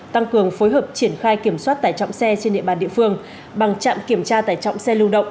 tăng cường phối hợp triển khai kiểm soát tải trọng xe trên địa bàn địa phương bằng trạm kiểm tra tải trọng xe lưu động